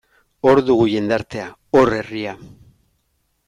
Hor dugu jendartea, hor herria.